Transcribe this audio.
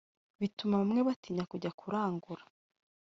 bituma bamwe batinya kujya kurangura